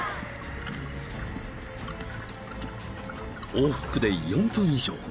［往復で４分以上］